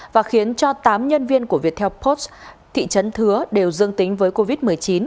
và khiến cho tám nhân viên của viettel post thị trấn thứa đều dương tính với covid một mươi chín